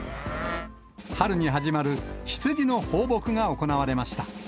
春に始まる羊の放牧が行われました。